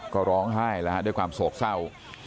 ก็ร้องไห้แล้วฮะด้วยความโศกเศร้า